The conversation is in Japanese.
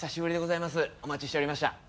お待ちしておりました。